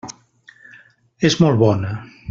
És molt bona.